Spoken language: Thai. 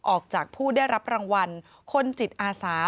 ออกจากผู้ได้รับรางวัลคนจิตอาสา